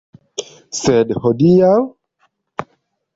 Sed hodiaŭ?